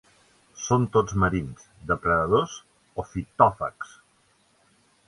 Són tots marins, depredadors o fitòfags.